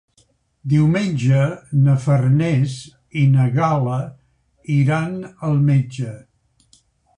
Diumenge na Farners i na Gal·la iran al metge.